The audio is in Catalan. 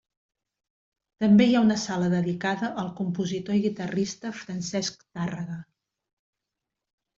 També hi ha una sala dedicada al compositor i guitarrista Francesc Tàrrega.